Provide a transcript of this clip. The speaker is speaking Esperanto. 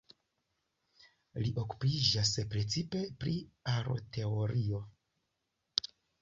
Li okupiĝas precipe pri Aroteorio.